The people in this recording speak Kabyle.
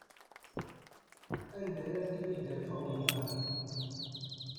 Anda ara ken-id-afeɣ umbeɛd?